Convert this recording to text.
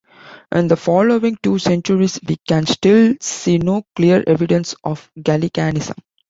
In the following two centuries we can still see no clear evidence of Gallicanism.